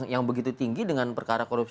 yang begitu tinggi dengan perkara korupsi